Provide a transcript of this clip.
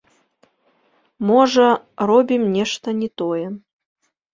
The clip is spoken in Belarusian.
Можа, робім нешта не тое.